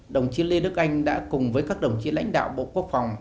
đồng chí lê đức anh đã cùng với các đồng chí lãnh đạo bộ quốc phòng